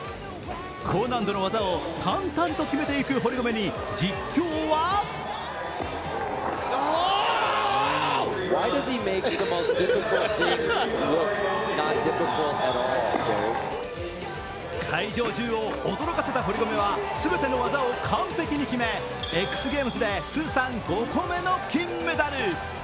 高難度の技を淡々と決めていく堀米に実況は会場中を驚かせた堀米は全ての技を完璧に決めＸＧＡＭＥＳで通算５個目の金メダル。